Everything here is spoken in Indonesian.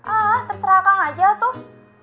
ah terserah akang aja tuh